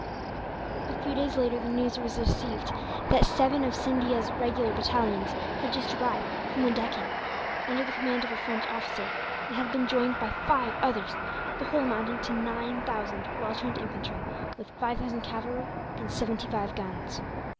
A few days later, the news was received that seven of Scindia's regular battalions had just arrived, from the Deccan, under the command of a French officer; and had been joined by five others, the whole amounting to nine thousand well trained infantry, with five thousand cavalry and seventy five guns.